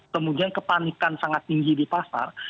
kemudian kepanikan sangat tinggi di pasar